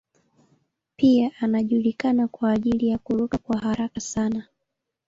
Pia anajulikana kwa ajili ya kuruka kwa haraka sana.